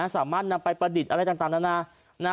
สามารถนำไปประดิษฐ์อะไรต่างนานา